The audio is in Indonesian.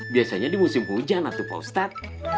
biasanya di musim hujan atau paustat